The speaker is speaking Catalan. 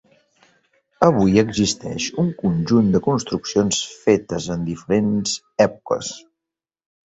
Avui existeix un conjunt de construccions fetes en diferents èpoques.